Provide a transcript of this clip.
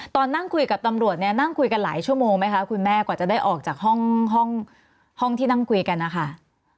ตอนนั่งคุยกับตำรวจเนี่ยนั่งคุยกันหลายชั่วโมงไหมคะคุณแม่กว่าจะได้ออกจากห้องที่นั่งคุยกันนะคะ